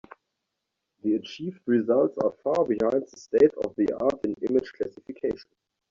The achieved results are far behind the state-of-the-art in image classification.